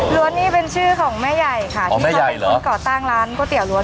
ร้วนนี้เป็นชื่อของแม่ใหญ่ค่ะอ๋อแม่ใหญ่เหรอ